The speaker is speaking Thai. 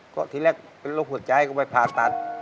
ก็ทีแรกเป็นโรคหัวใจก็ไปผ่าตัด